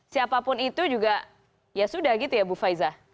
siapapun itu juga ya sudah gitu ya bu faiza